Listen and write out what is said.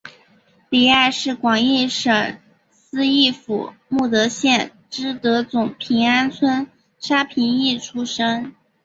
黎艾是广义省思义府慕德县知德总平安村沙平邑出生。